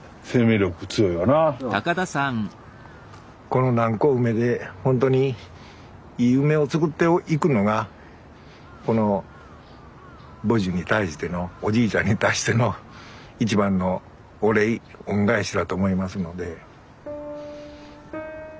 この南高梅でほんとにいい梅を作っていくのがこの母樹に対してのおじいちゃんに対しての一番のお礼恩返しだと思いますので。